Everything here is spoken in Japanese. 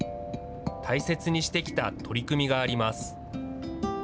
大切にしてきた取り組みがあります。